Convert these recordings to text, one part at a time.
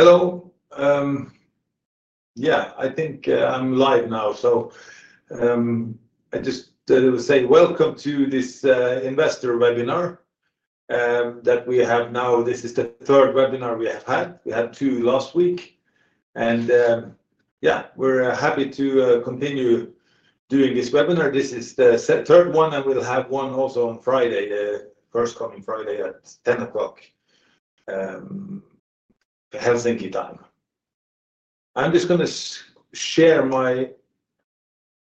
Hello. Yeah, I think I'm live now, so I just want to say welcome to this investor webinar that we have now. This is the third webinar we have had. We had two last week, and yeah, we're happy to continue doing this webinar. This is the third one, and we'll have one also on Friday, the first coming Friday at 10:00 A.M. Helsinki time. I'm just going to share my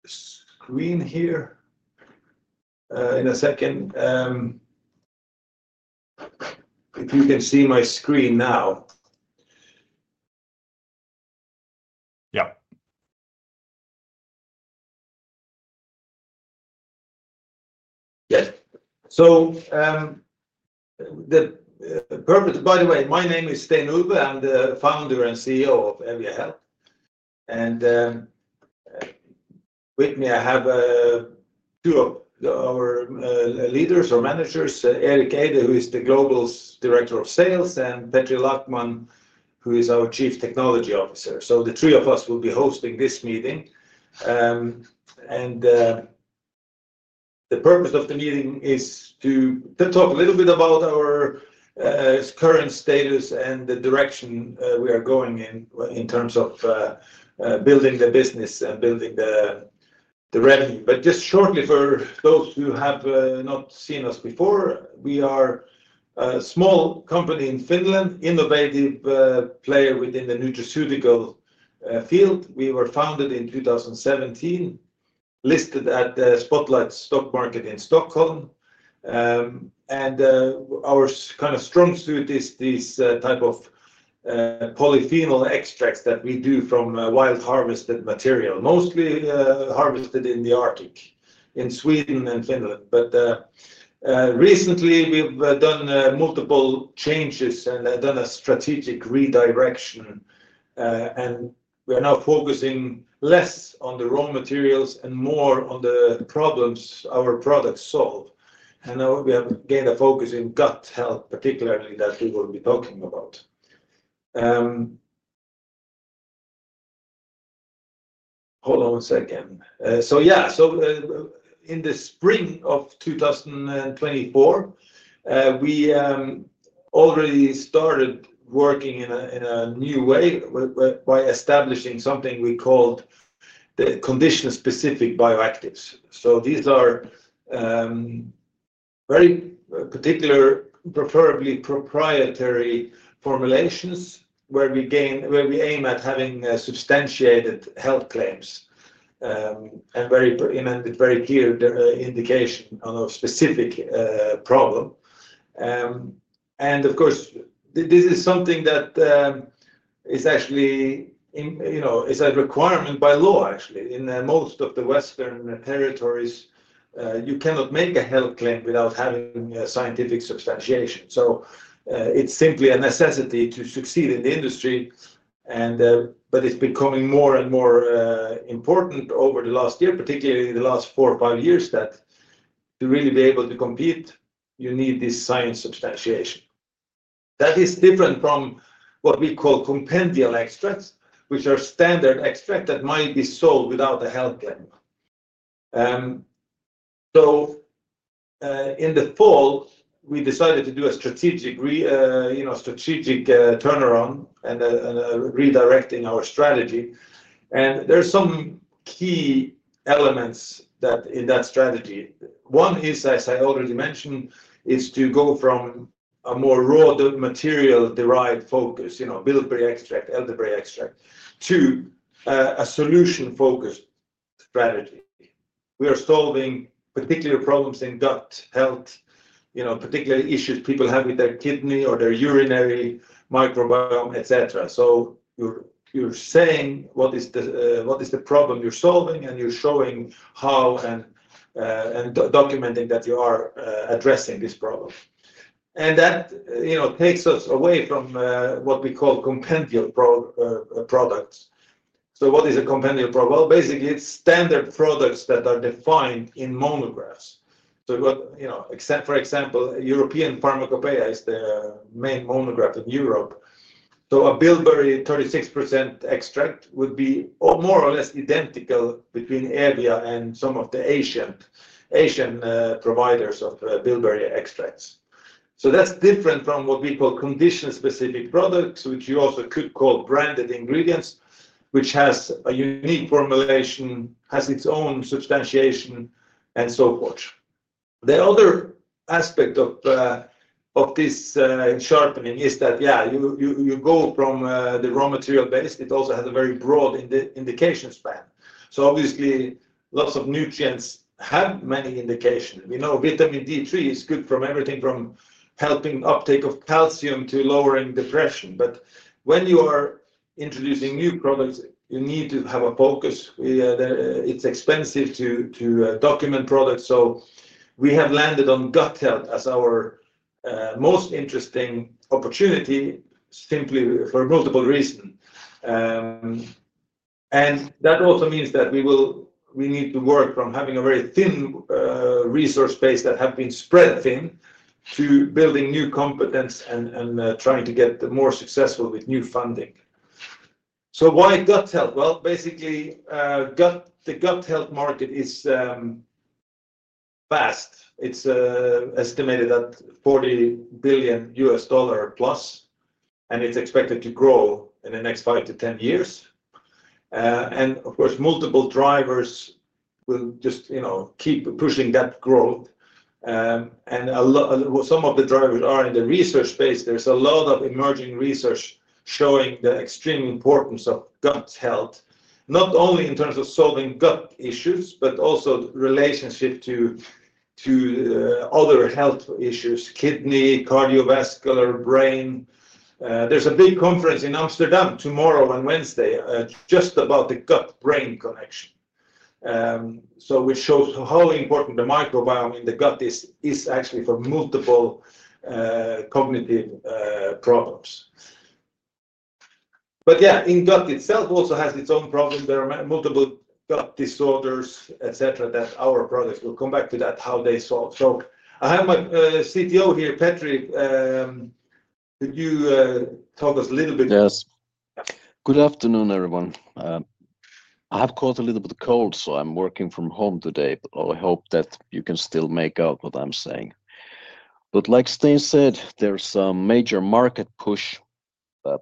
screen here in a second. If you can see my screen now. Yeah. Yes. The perfect—by the way, my name is Stein Ulve. I'm the founder and CEO of Eevia Health. With me, I have two of our leaders or managers: Erik Eide, who is the global director of sales, and Petri Lackman, who is our chief technology officer. The three of us will be hosting this meeting. The purpose of the meeting is to talk a little bit about our current status and the direction we are going in terms of building the business and building the revenue. Just shortly, for those who have not seen us before, we are a small company in Finland, an innovative player within the nutraceutical field. We were founded in 2017, listed at the Spotlight Stock Market in Stockholm. Our kind of strong suit is this type of polyphenol extracts that we do from wild-harvested material, mostly harvested in the Arctic, in Sweden and Finland. Recently, we've done multiple changes and done a strategic redirection. We're now focusing less on the raw materials and more on the problems our products solve. We have gained a focus in gut health, particularly that we will be talking about. Hold on one second. In the spring of 2024, we already started working in a new way by establishing something we called the condition-specific bioactives. These are very particular, preferably proprietary formulations where we aim at having substantiated health claims and very clear indication on a specific problem. Of course, this is something that is actually a requirement by law, actually. In most of the Western territories, you cannot make a health claim without having scientific substantiation. It is simply a necessity to succeed in the industry. It is becoming more and more important over the last year, particularly in the last four or five years, that to really be able to compete, you need this science substantiation. That is different from what we call compendium extracts, which are standard extracts that might be sold without a health claim. In the fall, we decided to do a strategic turnaround and redirecting our strategy. There are some key elements in that strategy. One is, as I already mentioned, to go from a more raw material-derived focus, bilberry extract, elderberry extract, to a solution-focused strategy. We are solving particular problems in gut health, particular issues people have with their kidney or their urinary microbiome, etc. You are saying what is the problem you are solving, and you are showing how and documenting that you are addressing this problem. That takes us away from what we call compendium products. What is a compendium product? Basically, it is standard products that are defined in monographs. For example, European Pharmacopeia is the main monograph in Europe. A bilberry 36% extract would be more or less identical between Eevia and some of the Asian providers of bilberry extracts. That is different from what we call condition-specific products, which you also could call branded ingredients, which has a unique formulation, has its own substantiation, and so forth. The other aspect of this sharpening is that, yeah, you go from the raw material-based; it also has a very broad indication span. Obviously, lots of nutrients have many indications. We know vitamin D3 is good from everything from helping uptake of calcium to lowering depression. When you are introducing new products, you need to have a focus. It's expensive to document products. We have landed on gut health as our most interesting opportunity simply for multiple reasons. That also means that we need to work from having a very thin resource base that has been spread thin to building new competence and trying to get more successful with new funding. Why gut health? Basically, the gut health market is vast. It's estimated at $40 billion plus, and it's expected to grow in the next 5-10 years. Of course, multiple drivers will just keep pushing that growth. Some of the drivers are in the research space. There's a lot of emerging research showing the extreme importance of gut health, not only in terms of solving gut issues, but also relationship to other health issues: kidney, cardiovascular, brain. There's a big conference in Amsterdam tomorrow on Wednesday just about the gut-brain connection, which shows how important the microbiome in the gut is actually for multiple cognitive problems. Yeah, in gut itself, it also has its own problems. There are multiple gut disorders, etc., that our products will come back to that, how they solve. I have my CTO here, Petri. Could you talk us a little bit? Yes. Good afternoon, everyone. I have caught a little bit of cold, so I'm working from home today, but I hope that you can still make out what I'm saying. Like Stein said, there's a major market push,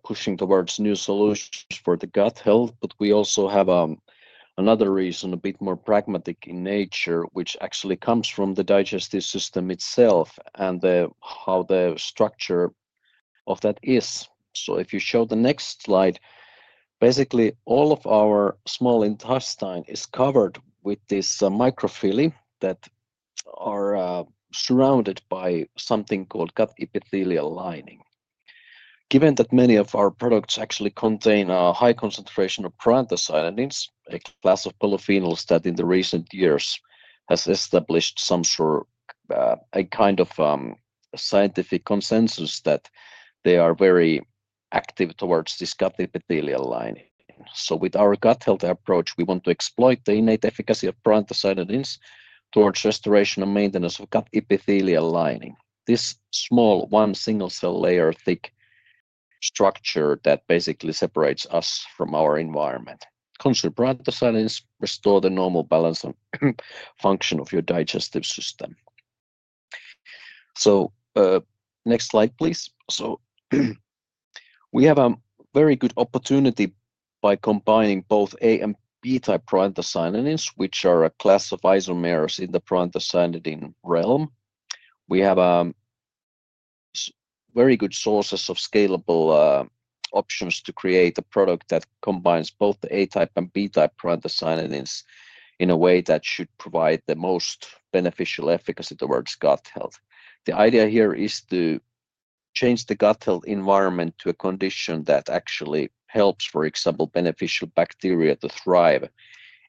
pushing towards new solutions for the gut health. We also have another reason, a bit more pragmatic in nature, which actually comes from the digestive system itself and how the structure of that is. If you show the next slide, basically, all of our small intestine is covered with these microvilli that are surrounded by something called gut epithelial lining. Given that many of our products actually contain a high concentration of proanthocyanidins, a class of polyphenols that in the recent years has established some sort of a kind of scientific consensus that they are very active towards this gut epithelial lining. With our gut health approach, we want to exploit the innate efficacy of proanthocyanidins towards restoration and maintenance of gut epithelial lining. This small, one single-cell layer thick structure basically separates us from our environment. Consider proanthocyanidins restore the normal balance and function of your digestive system. Next slide, please. We have a very good opportunity by combining both A and B-type proanthocyanidins, which are a class of isomers in the proanthocyanidin realm. We have very good sources of scalable options to create a product that combines both the A-type and B-type proanthocyanidins in a way that should provide the most beneficial efficacy towards gut health. The idea here is to change the gut health environment to a condition that actually helps, for example, beneficial bacteria to thrive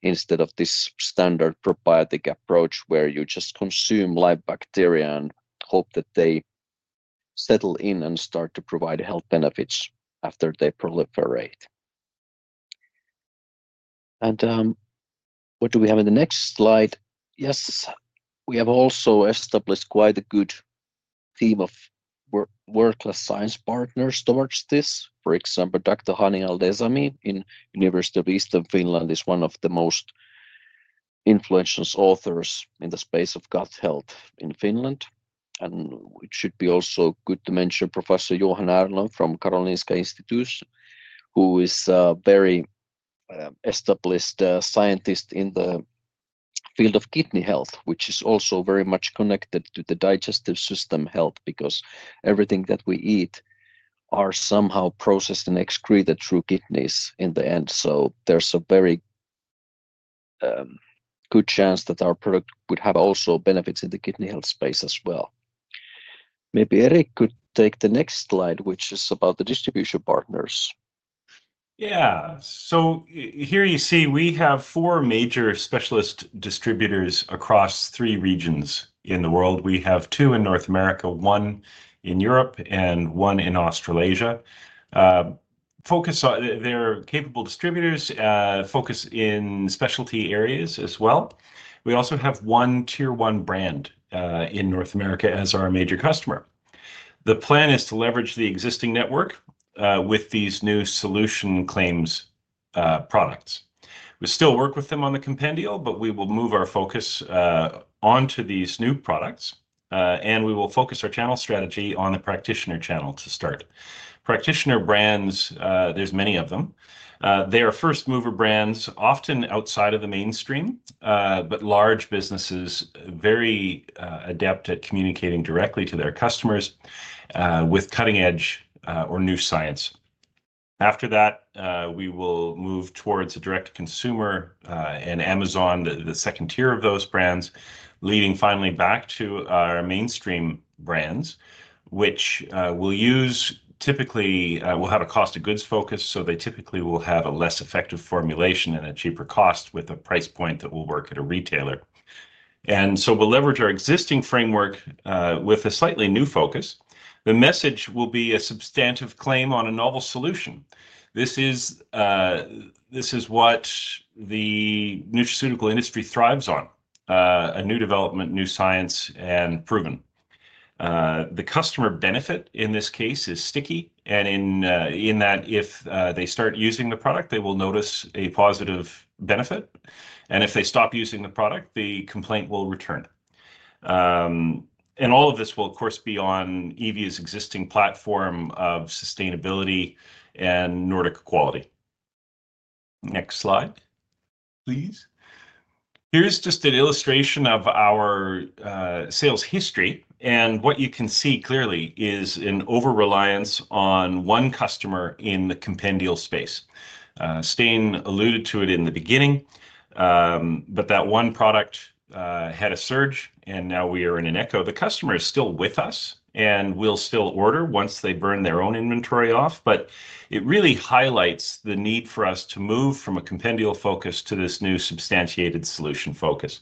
instead of this standard probiotic approach where you just consume live bacteria and hope that they settle in and start to provide health benefits after they proliferate. What do we have in the next slide? Yes, we have also established quite a good team of world-class science partners towards this. For example, Dr. Hani El-Nezami in the University of Eastern Finland is one of the most influential authors in the space of gut health in Finland. It should be also good to mention Professor Johan Ärnlöv from Karolinska Institutet, who is a very established scientist in the field of kidney health, which is also very much connected to the digestive system health because everything that we eat is somehow processed and excreted through kidneys in the end. There is a very good chance that our product would have also benefits in the kidney health space as well. Maybe Erik could take the next slide, which is about the distribution partners. Yeah. Here you see we have four major specialist distributors across three regions in the world. We have two in North America, one in Europe, and one in Australasia. They're capable distributors focused in specialty areas as well. We also have one tier-one brand in North America as our major customer. The plan is to leverage the existing network with these new solution claims products. We still work with them on the compendium, but we will move our focus onto these new products, and we will focus our channel strategy on the practitioner channel to start. Practitioner brands, there's many of them. They are first-mover brands, often outside of the mainstream, but large businesses very adept at communicating directly to their customers with cutting-edge or new science. After that, we will move towards a direct consumer and Amazon, the second tier of those brands, leading finally back to our mainstream brands, which will typically have a cost of goods focus. They typically will have a less effective formulation and a cheaper cost with a price point that will work at a retailer. We will leverage our existing framework with a slightly new focus. The message will be a substantive claim on a novel solution. This is what the nutraceutical industry thrives on: a new development, new science, and proven. The customer benefit in this case is sticky, and in that, if they start using the product, they will notice a positive benefit. If they stop using the product, the complaint will return. All of this will, of course, be on Eevia's existing platform of sustainability and Nordic quality. Next slide, please. Here's just an illustration of our sales history. What you can see clearly is an over-reliance on one customer in the compendium space. Stein alluded to it in the beginning, but that one product had a surge, and now we are in an echo. The customer is still with us, and we'll still order once they burn their own inventory off. It really highlights the need for us to move from a compendium focus to this new substantiated solution focus.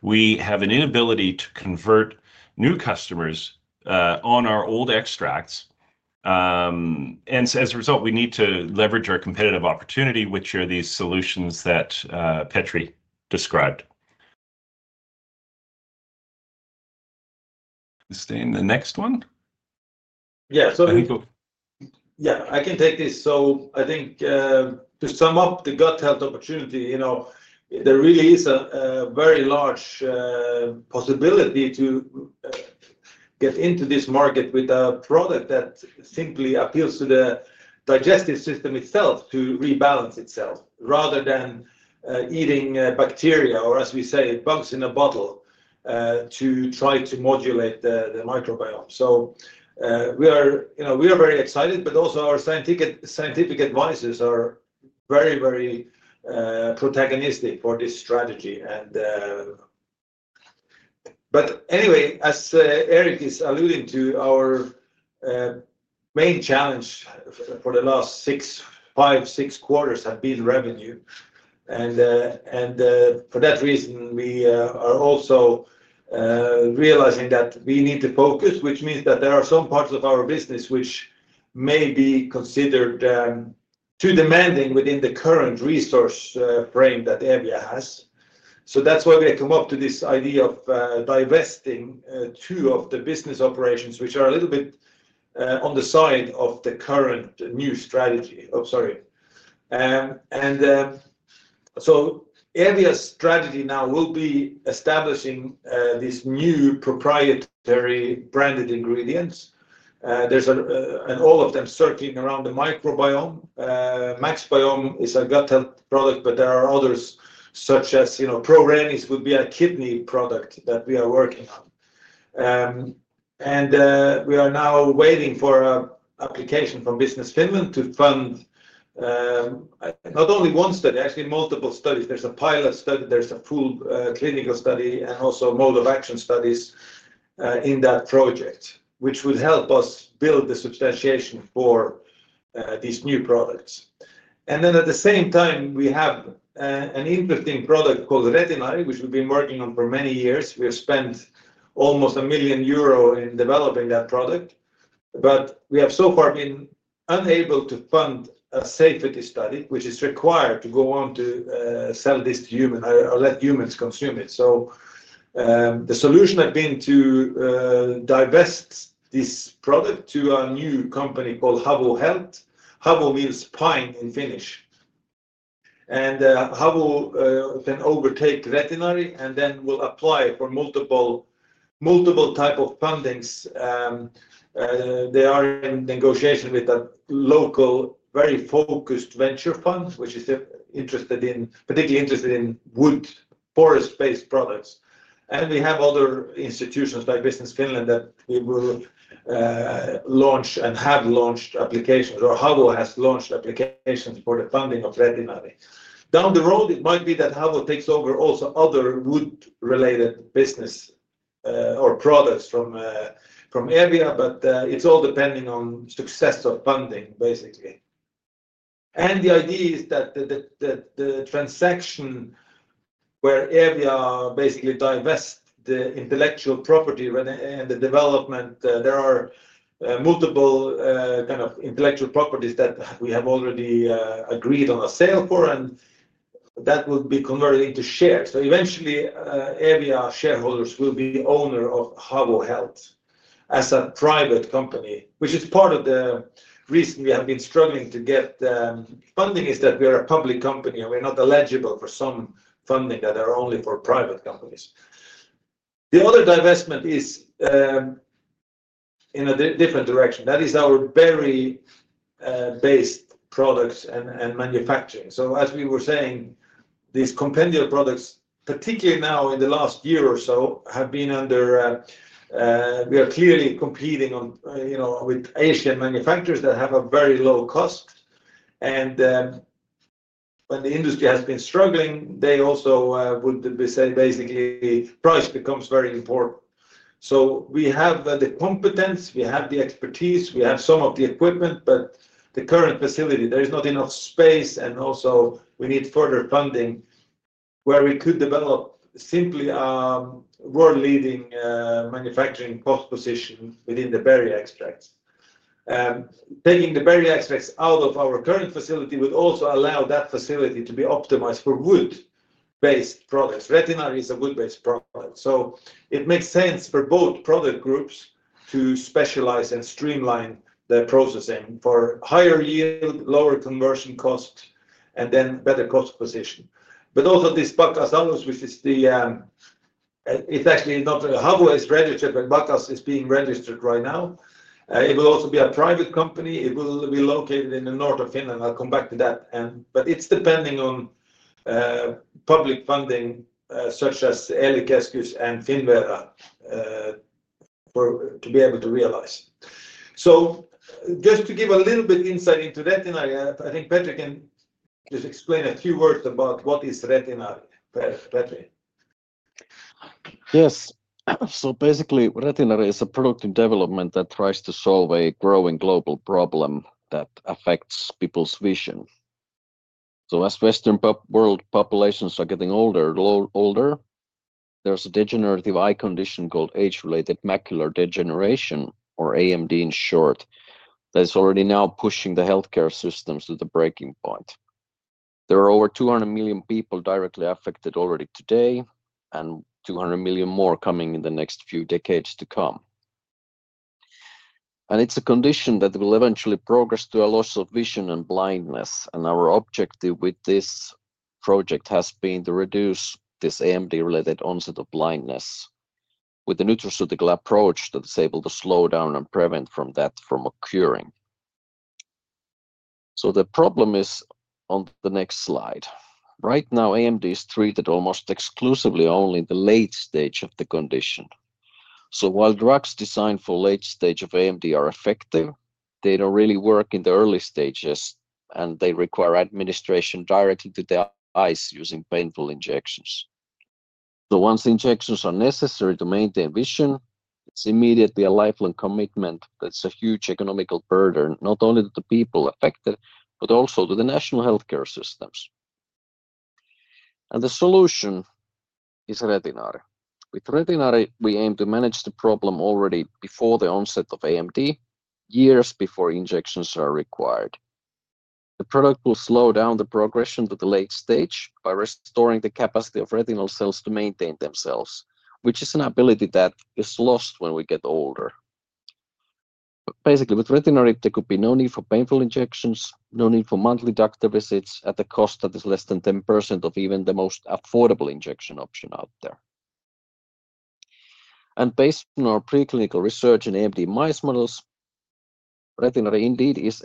We have an inability to convert new customers on our old extracts. As a result, we need to leverage our competitive opportunity, which are these solutions that Petri described. Stein, the next one. Yeah. I think. Yeah, I can take this. I think to sum up the gut health opportunity, there really is a very large possibility to get into this market with a product that simply appeals to the digestive system itself to rebalance itself rather than eating bacteria or, as we say, bugs in a bottle to try to modulate the microbiome. We are very excited, but also our scientific advisors are very, very protagonistic for this strategy. As Erik is alluding to, our main challenge for the last five, six quarters has been revenue. For that reason, we are also realizing that we need to focus, which means that there are some parts of our business which may be considered too demanding within the current resource frame that Eevia has. That is why we have come up to this idea of divesting two of the business operations, which are a little bit on the side of the current new strategy. Oh, sorry. Eevia's strategy now will be establishing these new proprietary branded ingredients. There is all of them circling around the microbiome. MaxBIOME is a gut health product, but there are others such as ProRENIS would be a kidney product that we are working on. We are now waiting for an application from Business Finland to fund not only one study, actually multiple studies. There is a pilot study, a full clinical study, and also mode-of-action studies in that project, which would help us build the substantiation for these new products. At the same time, we have an interesting product called Retinari, which we have been working on for many years. We have spent almost 1 million euro in developing that product. We have so far been unable to fund a safety study, which is required to go on to sell this to humans or let humans consume it. The solution has been to divest this product to a new company called Havu Health. Havu means pine in Finnish. Havu can overtake Retinari and then will apply for multiple types of funding. They are in negotiation with a local, very focused venture fund, which is particularly interested in wood, forest-based products. We have other institutions like Business Finland that we will launch and have launched applications, or Havu has launched applications for the funding of Retinari. Down the road, it might be that Havu takes over also other wood-related business or products from Eevia, but it is all depending on the success of funding, basically. The idea is that the transaction where Eevia basically divests the intellectual property and the development, there are multiple kinds of intellectual properties that we have already agreed on a sale for, and that will be converted into shares. Eventually, Eevia shareholders will be the owner of Havu Health as a private company, which is part of the reason we have been struggling to get funding, is that we are a public company and we're not eligible for some funding that is only for private companies. The other divestment is in a different direction. That is our berry-based products and manufacturing. As we were saying, these compendium products, particularly now in the last year or so, have been under we are clearly competing with Asian manufacturers that have a very low cost. When the industry has been struggling, they also would say basically price becomes very important. We have the competence, we have the expertise, we have some of the equipment, but the current facility, there is not enough space, and also we need further funding where we could develop simply a world-leading manufacturing cost position within the berry extracts. Taking the berry extracts out of our current facility would also allow that facility to be optimized for wood-based products. Retinari is a wood-based product. It makes sense for both product groups to specialize and streamline their processing for higher yield, lower conversion cost, and then better cost position. Also, this Baccas Salus, which is actually not Havu is registered, but Bacchus is being registered right now. It will also be a private company. It will be located in the north of Finland. I'll come back to that. It's depending on public funding such as ELY-keskus and Finnvera to be able to realize. Just to give a little bit of insight into Retinari, I think Petri can just explain a few words about what is Retinari, Petri. Yes. Basically, Retinari is a product in development that tries to solve a growing global problem that affects people's vision. As Western world populations are getting older, there's a degenerative eye condition called age-related macular degeneration, or AMD in short, that is already now pushing the healthcare systems to the breaking point. There are over 200 million people directly affected already today and 200 million more coming in the next few decades to come. It's a condition that will eventually progress to a loss of vision and blindness. Our objective with this project has been to reduce this AMD-related onset of blindness with a nutraceutical approach that is able to slow down and prevent that from occurring. The problem is on the next slide. Right now, AMD is treated almost exclusively only in the late stage of the condition. While drugs designed for late stage of AMD are effective, they don't really work in the early stages, and they require administration directly to the eyes using painful injections. Once the injections are necessary to maintain vision, it's immediately a lifelong commitment that's a huge economical burden, not only to the people affected, but also to the national healthcare systems. The solution is Retinari. With Retinari, we aim to manage the problem already before the onset of AMD, years before injections are required. The product will slow down the progression to the late stage by restoring the capacity of retinal cells to maintain themselves, which is an ability that is lost when we get older. Basically, with Retinari, there could be no need for painful injections, no need for monthly doctor visits at a cost that is less than 10% of even the most affordable injection option out there. Based on our preclinical research in AMD mice models, Retinari indeed is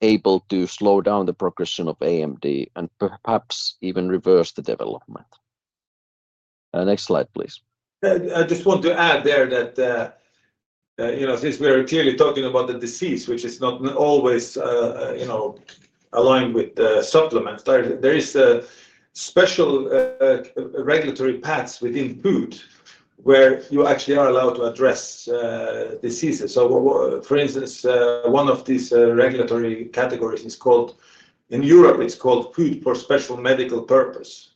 able to slow down the progression of AMD and perhaps even reverse the development. Next slide, please. I just want to add there that since we are clearly talking about the disease, which is not always aligned with supplements, there is a special regulatory patch within food where you actually are allowed to address diseases. For instance, one of these regulatory categories is called in Europe, it's called food for special medical purpose.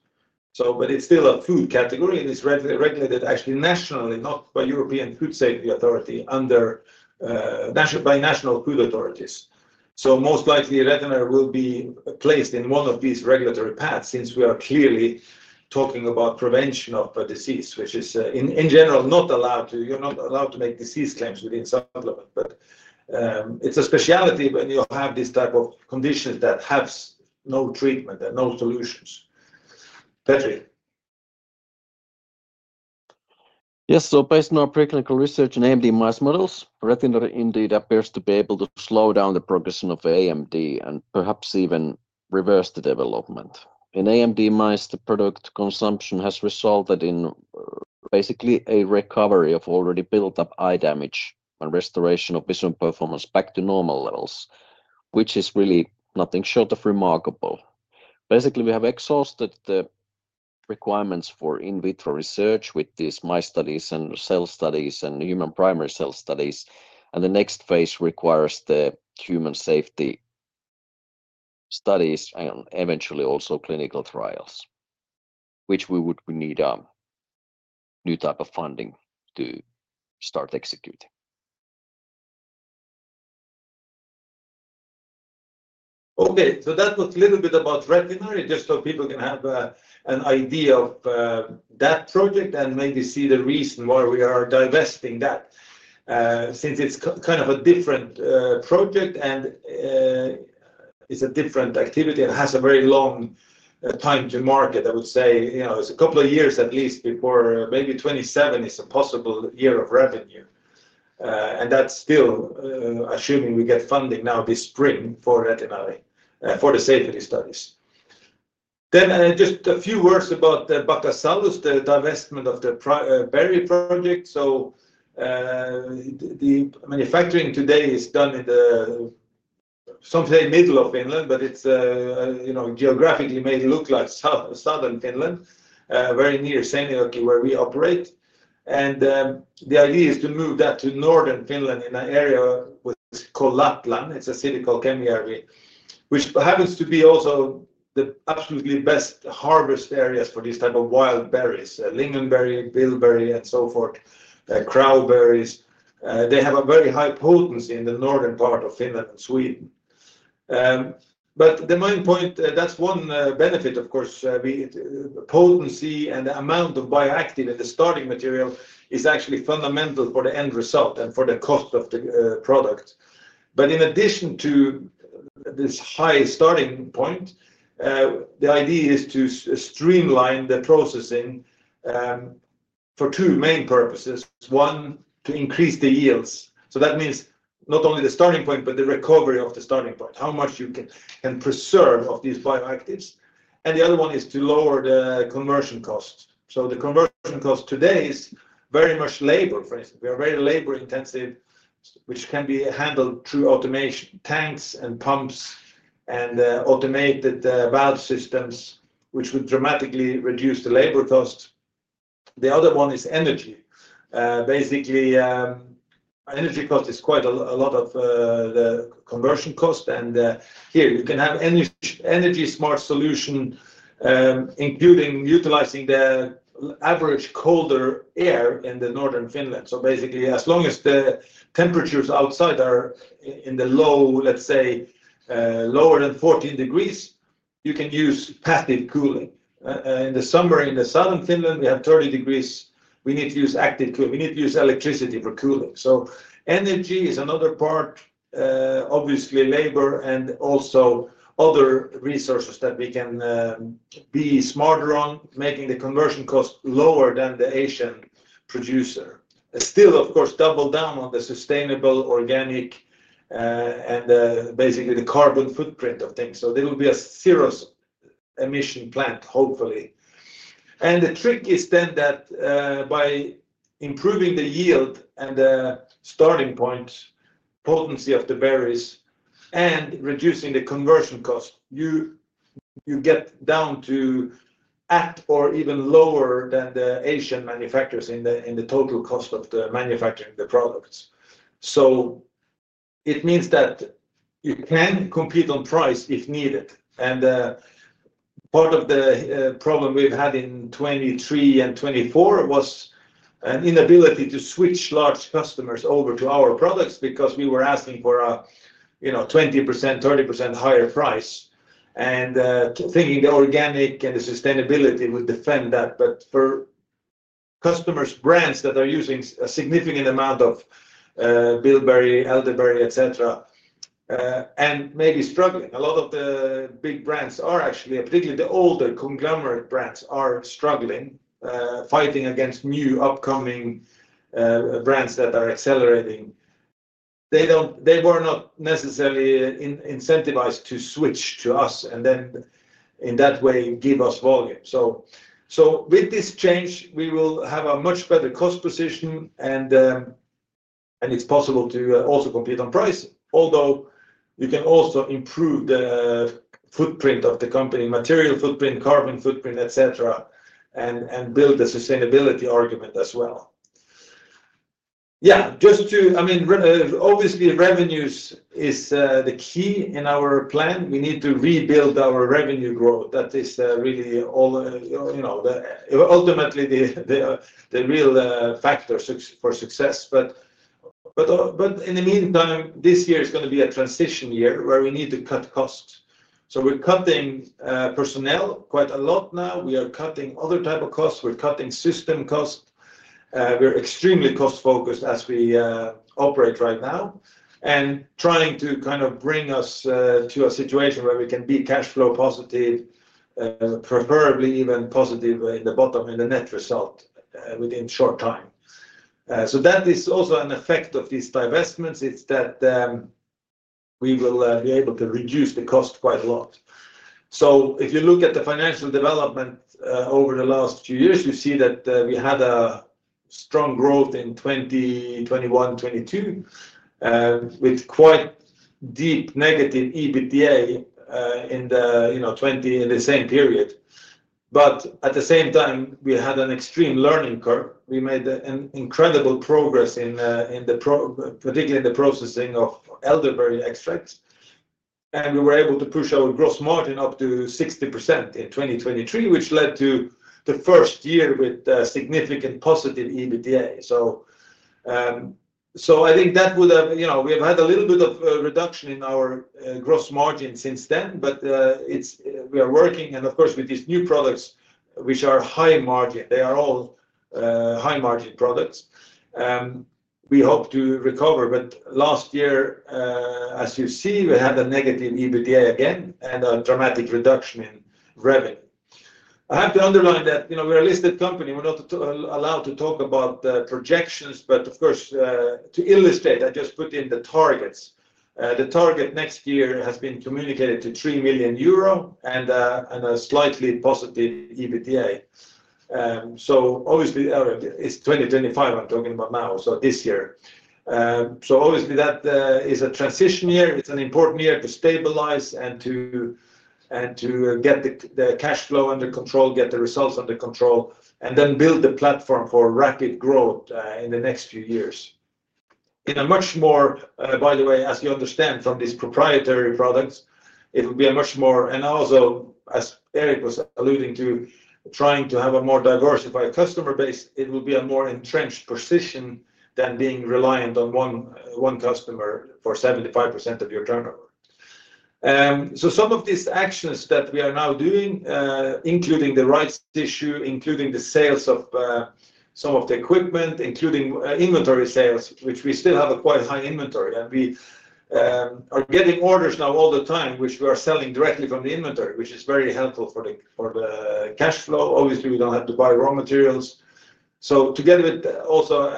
It is still a food category, and it is regulated actually nationally, not by European Food Safety Authority, by national food authorities. Most likely, Retinari will be placed in one of these regulatory patches since we are clearly talking about prevention of a disease, which is in general not allowed to, you're not allowed to make disease claims within supplements. It is a specialty when you have this type of condition that has no treatment and no solutions. Petri. Yes. Based on our preclinical research in AMD mice models, Retinari indeed appears to be able to slow down the progression of AMD and perhaps even reverse the development. In AMD mice, the product consumption has resulted in basically a recovery of already built-up eye damage and restoration of vision performance back to normal levels, which is really nothing short of remarkable. Basically, we have exhausted the requirements for in vitro research with these mice studies and cell studies and human primary cell studies. The next phase requires the human safety studies and eventually also clinical trials, which we would need a new type of funding to start executing. Okay. That was a little bit about Retinari, just so people can have an idea of that project and maybe see the reason why we are divesting that since it's kind of a different project and it's a different activity and has a very long time to market. I would say it's a couple of years at least before maybe 2027 is a possible year of revenue. That's still assuming we get funding now this spring for Retinari for the safety studies. Just a few words about Baccas Salus, the divestment of the berry project. The manufacturing today is done in the something middle of Finland, but it geographically may look like southern Finland, very near Seinäjoki where we operate. The idea is to move that to northern Finland in an area called Lapland. It's a city called Kemijärvi, which happens to be also the absolutely best harvest areas for this type of wild berries, lingonberry, bilberry, and so forth, crowberries. They have a very high potency in the northern part of Finland and Sweden. The main point, that's one benefit, of course, potency and the amount of bioactive in the starting material is actually fundamental for the end result and for the cost of the product. In addition to this high starting point, the idea is to streamline the processing for two main purposes. One, to increase the yields. That means not only the starting point, but the recovery of the starting point, how much you can preserve of these bioactives. The other one is to lower the conversion costs. The conversion cost today is very much labor. For instance, we are very labor-intensive, which can be handled through automation, tanks and pumps and automated valve systems, which would dramatically reduce the labor costs. The other one is energy. Basically, energy cost is quite a lot of the conversion cost. Here, you can have an energy-smart solution, including utilizing the average colder air in northern Finland. Basically, as long as the temperatures outside are in the low, let's say, lower than 14 degrees Celsius, you can use passive cooling. In the summer in southern Finland, we have 30 degrees Celsius. We need to use active cooling. We need to use electricity for cooling. Energy is another part, obviously labor and also other resources that we can be smarter on, making the conversion cost lower than the Asian producer. Still, of course, double down on the sustainable organic and basically the carbon footprint of things. There will be a zero-emission plant, hopefully. The trick is then that by improving the yield and the starting point, potency of the berries, and reducing the conversion cost, you get down to at or even lower than the Asian manufacturers in the total cost of manufacturing the products. It means that you can compete on price if needed. Part of the problem we've had in 2023 and 2024 was an inability to switch large customers over to our products because we were asking for a 20%-30% higher price and thinking the organic and the sustainability would defend that. For customers, brands that are using a significant amount of bilberry, elderberry, etc., and maybe struggling, a lot of the big brands are actually, particularly the older conglomerate brands, are struggling, fighting against new upcoming brands that are accelerating. They were not necessarily incentivized to switch to us and then in that way give us volume. With this change, we will have a much better cost position, and it's possible to also compete on price, although you can also improve the footprint of the company, material footprint, carbon footprint, etc., and build the sustainability argument as well. Yeah. Just to, I mean, obviously, revenues is the key in our plan. We need to rebuild our revenue growth. That is really ultimately the real factor for success. In the meantime, this year is going to be a transition year where we need to cut costs. We're cutting personnel quite a lot now. We are cutting other types of costs. We're cutting system costs. We're extremely cost-focused as we operate right now and trying to kind of bring us to a situation where we can be cash flow positive, preferably even positive in the bottom in the net result within a short time. That is also an effect of these divestments. It's that we will be able to reduce the cost quite a lot. If you look at the financial development over the last few years, you see that we had a strong growth in 2021, 2022 with quite deep negative EBITDA in the same period. At the same time, we had an extreme learning curve. We made incredible progress in the, particularly in the processing of elderberry extracts. We were able to push our gross margin up to 60% in 2023, which led to the first year with significant positive EBITDA. I think that would have we have had a little bit of a reduction in our gross margin since then, but we are working. Of course, with these new products, which are high margin, they are all high margin products. We hope to recover. Last year, as you see, we had a negative EBITDA again and a dramatic reduction in revenue. I have to underline that we're a listed company. We're not allowed to talk about projections, but of course, to illustrate, I just put in the targets. The target next year has been communicated to 3 million euro and a slightly positive EBITDA. Obviously, it is 2025 I am talking about now, so this year. Obviously, that is a transition year. It's an important year to stabilize and to get the cash flow under control, get the results under control, and then build the platform for rapid growth in the next few years. In a much more, by the way, as you understand from these proprietary products, it will be a much more, and also, as Erik was alluding to, trying to have a more diversified customer base, it will be a more entrenched position than being reliant on one customer for 75% of your turnover. Some of these actions that we are now doing, including the rights issue, including the sales of some of the equipment, including inventory sales, which we still have a quite high inventory. We are getting orders now all the time, which we are selling directly from the inventory, which is very helpful for the cash flow. Obviously, we don't have to buy raw materials. Together with also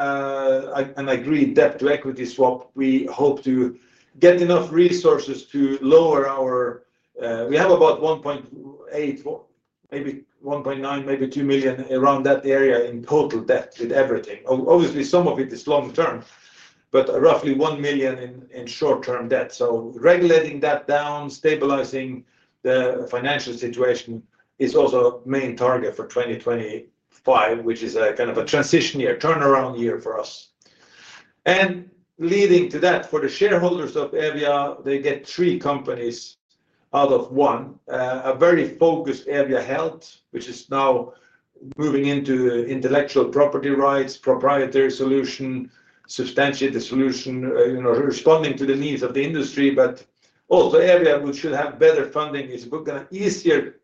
an agreed debt to equity swap, we hope to get enough resources to lower our, we have about 1.8 million, maybe 1.9 million, maybe 2 million, around that area in total debt with everything. Obviously, some of it is long term, but roughly 1 million in short-term debt. Regulating that down, stabilizing the financial situation is also a main target for 2025, which is a kind of a transition year, turnaround year for us. Leading to that, for the shareholders of Eevia, they get three companies out of one, a very focused Eevia Health, which is now moving into intellectual property rights, proprietary solution, substantiate the solution, responding to the needs of the industry. Eevia, which should have better funding, is an easier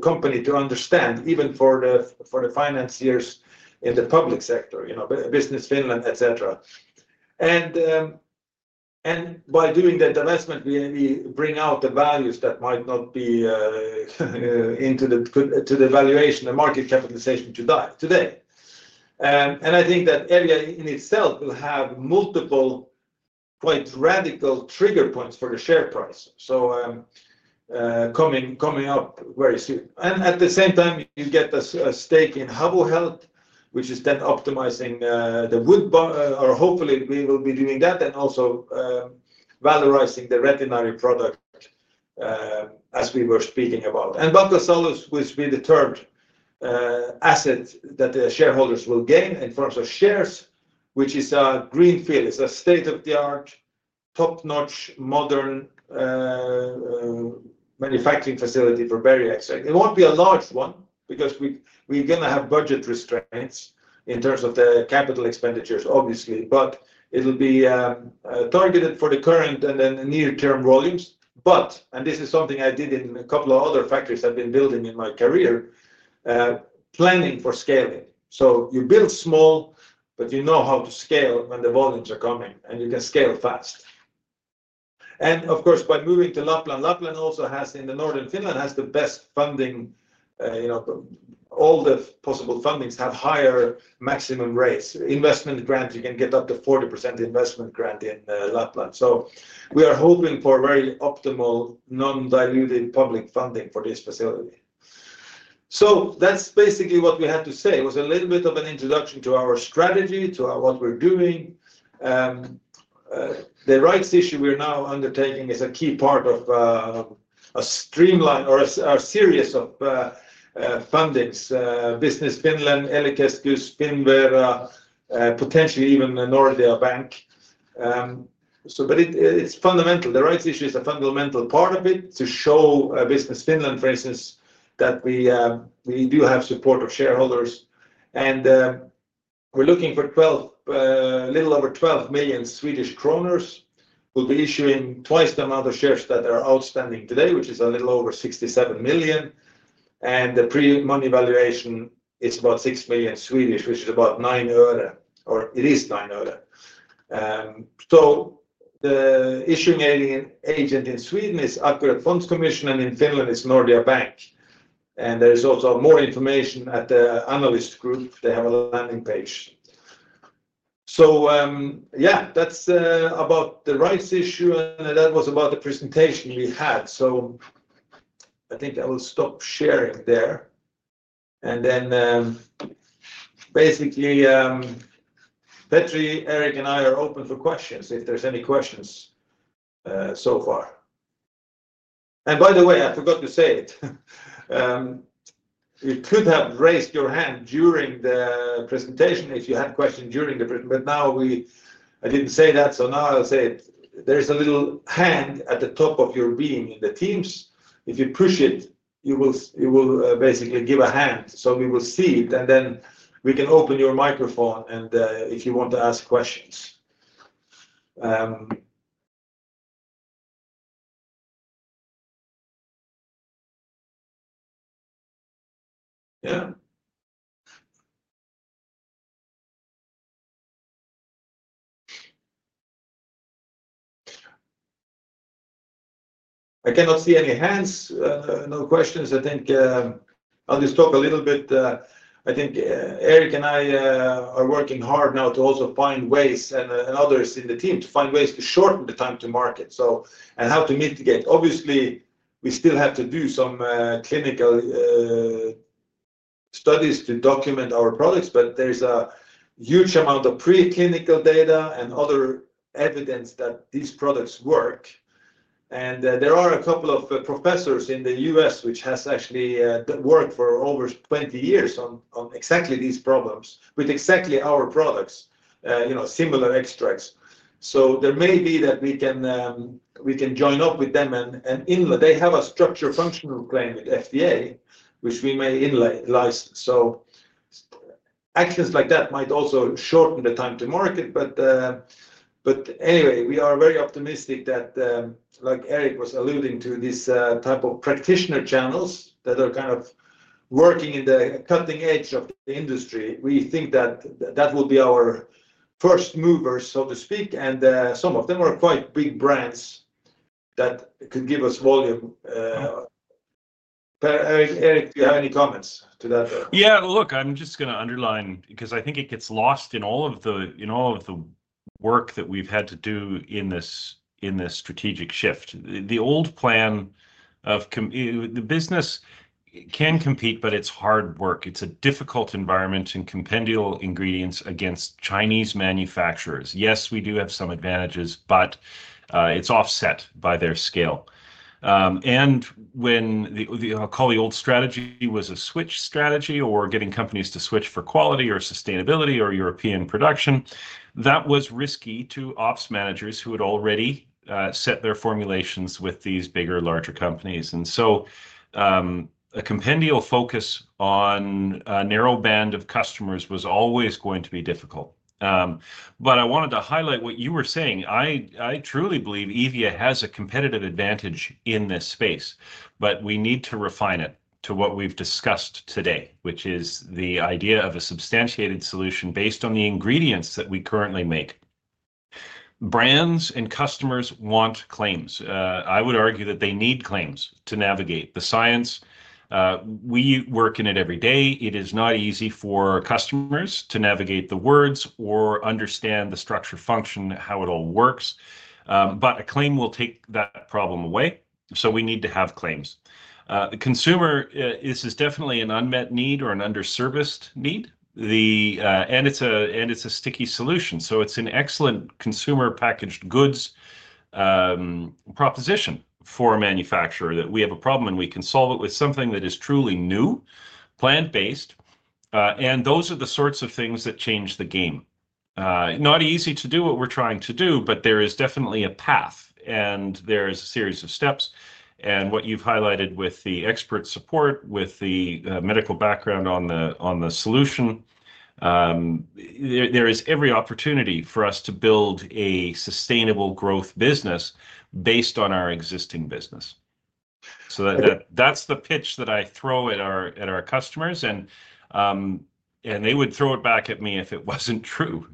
company to understand, even for the financiers in the public sector, Business Finland, etc. By doing that divestment, we bring out the values that might not be in the valuation, the market capitalization today. I think that Eevia in itself will have multiple quite radical trigger points for the share price, coming up very soon. At the same time, you get a stake in Havu Health, which is then optimizing the wood, or hopefully, we will be doing that and also valorizing the Retinari product as we were speaking about. Baccas Salus, which will be the third asset that the shareholders will gain in terms of shares, is a greenfield. It is a state-of-the-art, top-notch, modern manufacturing facility for berry extract. It won't be a large one because we're going to have budget restraints in terms of the capital expenditures, obviously, but it'll be targeted for the current and then near-term volumes. This is something I did in a couple of other factories I've been building in my career, planning for scaling. You build small, but you know how to scale when the volumes are coming, and you can scale fast. Of course, by moving to Lapland, Lapland also has, in northern Finland, the best funding. All the possible fundings have higher maximum rates. Investment grant, you can get up to 40% investment grant in Lapland. We are hoping for very optimal non-dilutive public funding for this facility. That's basically what we had to say. It was a little bit of an introduction to our strategy, to what we're doing. The rights issue we're now undertaking is a key part of a streamline or a series of fundings, Business Finland, ELY-keskus, Finnvera, potentially even Nordea Bank. It is fundamental. The rights issue is a fundamental part of it to show Business Finland, for instance, that we do have support of shareholders. We're looking for a little over 12 million Swedish kronor. We'll be issuing twice the amount of shares that are outstanding today, which is a little over 67 million. The pre-money valuation is about 6 million, which is about 9 euro, or it is 9 euro. The issuing agent in Sweden is Aqurat Fondkommission, and in Finland, it's Nordea Bank. There is also more information at the Analyst Group. They have a landing page. That's about the rights issue, and that was about the presentation we had. I think I will stop sharing there. Basically, Petri, Erik, and I are open for questions if there's any questions so far. By the way, I forgot to say it. You could have raised your hand during the presentation if you had a question during the presentation, but now I didn't say that, so now I'll say it. There is a little hand at the top of your beam in Teams. If you push it, you will basically give a hand. We will see it, and then we can open your microphone if you want to ask questions. Yeah. I cannot see any hands, no questions. I think I'll just talk a little bit. I think Erik and I are working hard now to also find ways and others in the team to find ways to shorten the time to market and how to mitigate. Obviously, we still have to do some clinical studies to document our products, but there's a huge amount of preclinical data and other evidence that these products work. There are a couple of professors in the U.S. which have actually worked for over 20 years on exactly these problems with exactly our products, similar extracts. There may be that we can join up with them. They have a structure function claim with FDA, which we may in-license. Actions like that might also shorten the time to market. Anyway, we are very optimistic that, like Erik was alluding to, these type of practitioner channels that are kind of working in the cutting edge of the industry. We think that that will be our first movers, so to speak. Some of them are quite big brands that could give us volume. Erik, do you have any comments to that? Yeah. Look, I'm just going to underline because I think it gets lost in all of the work that we've had to do in this strategic shift. The old plan of the business can compete, but it's hard work. It's a difficult environment and compendial ingredients against Chinese manufacturers. Yes, we do have some advantages, but it's offset by their scale. When I call the old strategy a switch strategy or getting companies to switch for quality or sustainability or European production, that was risky to ops managers who had already set their formulations with these bigger, larger companies. A compendial focus on a narrow band of customers was always going to be difficult. I wanted to highlight what you were saying. I truly believe Eevia has a competitive advantage in this space, but we need to refine it to what we have discussed today, which is the idea of a substantiated solution based on the ingredients that we currently make. Brands and customers want claims. I would argue that they need claims to navigate the science. We work in it every day. It is not easy for customers to navigate the words or understand the structure function, how it all works. A claim will take that problem away. We need to have claims. Consumer, this is definitely an unmet need or an underserviced need. It's a sticky solution. It's an excellent consumer packaged goods proposition for a manufacturer that we have a problem and we can solve it with something that is truly new, plant-based. Those are the sorts of things that change the game. Not easy to do what we're trying to do, but there is definitely a path, and there is a series of steps. What you've highlighted with the expert support, with the medical background on the solution, there is every opportunity for us to build a sustainable growth business based on our existing business. That's the pitch that I throw at our customers, and they would throw it back at me if it wasn't true.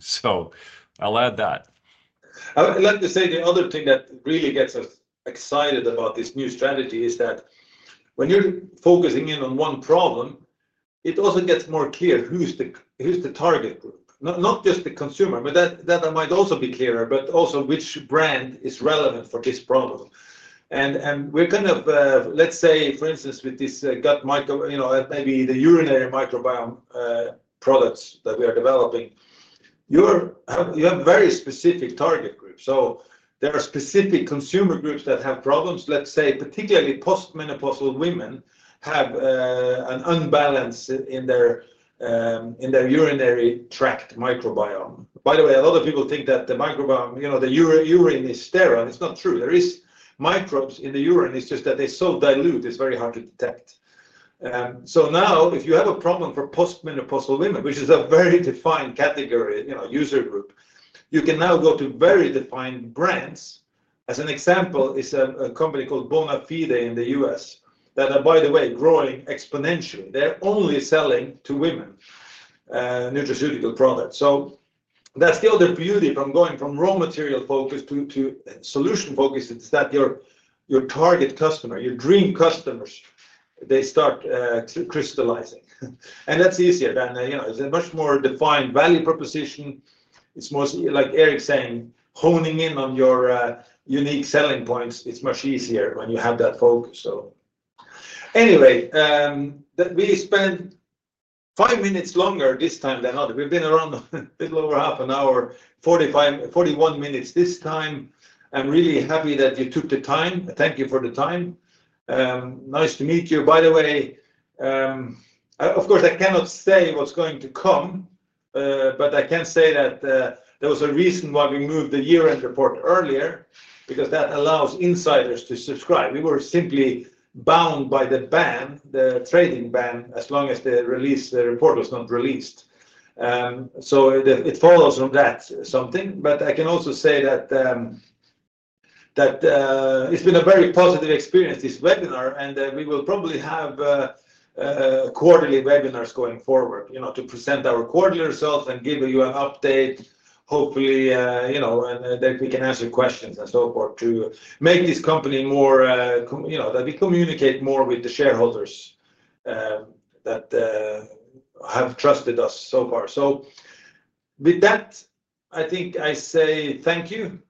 I'll add that. I would like to say the other thing that really gets us excited about this new strategy is that when you're focusing in on one problem, it also gets more clear who's the target group. Not just the consumer, that might also be clearer, but also which brand is relevant for this problem. We're kind of, let's say, for instance, with this gut microbiome, maybe the urinary microbiome products that we are developing, you have very specific target groups. There are specific consumer groups that have problems. Let's say, particularly post-menopausal women have an unbalance in their urinary tract microbiome. By the way, a lot of people think that the microbiome, the urine is sterile. It's not true. There are microbes in the urine. It's just that they're so dilute, it's very hard to detect. Now, if you have a problem for post-menopausal women, which is a very defined category, user group, you can now go to very defined brands. As an example, it's a company called Bonafide in the U.S. that are, by the way, growing exponentially. They're only selling to women, nutraceutical products. That's the other beauty from going from raw material focus to solution focus, is that your target customer, your dream customers, they start crystallizing. That's easier. It's a much more defined value proposition. It's mostly, like Erik's saying, honing in on your unique selling points. It's much easier when you have that focus. Anyway, we spent five minutes longer this time than others. We've been around a little over half an hour, 41 minutes this time. I'm really happy that you took the time. Thank you for the time. Nice to meet you. By the way, of course, I cannot say what's going to come, but I can say that there was a reason why we moved the year-end report earlier because that allows insiders to subscribe. We were simply bound by the ban, the trading ban, as long as the release report was not released. It follows from that something. I can also say that it's been a very positive experience, this webinar, and we will probably have quarterly webinars going forward to present our quarterly results and give you an update, hopefully, and that we can answer questions and so forth to make this company more that we communicate more with the shareholders that have trusted us so far. With that, I think I say thank you.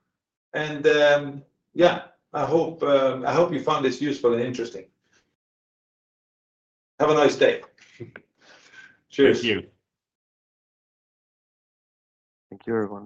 Yeah, I hope you found this useful and interesting. Have a nice day. Cheers. Thank you. Thank you everyone.